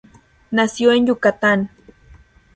Nació en Yucatán.